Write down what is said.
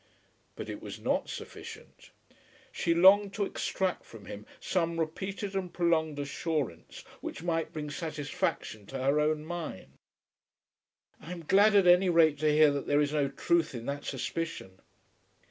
But it was not sufficient. She longed to extract from him some repeated and prolonged assurance which might bring satisfaction to her own mind. "I am glad, at any rate, to hear that there is no truth in that suspicion."